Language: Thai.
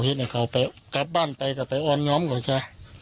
ให้เขาไปกลับบ้านไปกลับไปอ่อนย้อมก่อนจ๊ะ